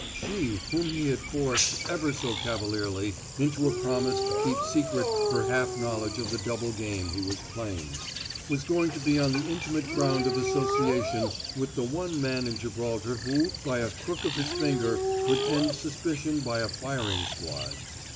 She, whom he had forced, ever so cavalierly, into a promise to keep secret her half knowledge of the double game he was playing, was going to be on the intimate ground of association with the one man in Gibraltar who by a crook of his finger could end suspicion by a firing squad.